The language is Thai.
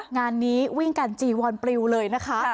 งานนี้วิ่งกันจีวอนปลิวเลยนะคะ